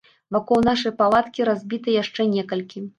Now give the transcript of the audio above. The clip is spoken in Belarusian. Вакол нашай палаткі разбіта яшчэ некалькі.